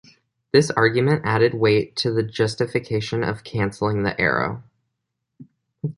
This argument added weight to the justification of cancelling the Arrow.